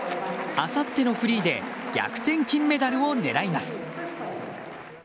あさってのフリーで逆転金メダルを狙います。